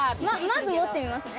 まず持ってみますね。